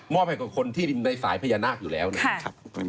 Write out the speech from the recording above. ให้กับคนที่ในสายพญานาคอยู่แล้วนะครับ